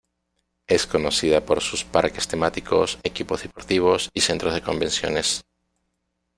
Es conocida por sus parques temáticos, equipos deportivos, y centros de convenciones.